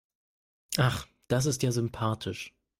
Ach, das ist ja sympathisch.